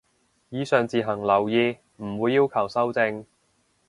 以上自行留意，唔會要求修正